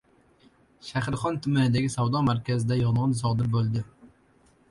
Shaxrixon tumanidagi savdo markazida yong‘in sodir bo‘ldi